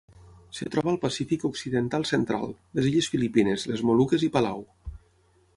Es troba al Pacífic occidental central: les illes Filipines, les Moluques i Palau.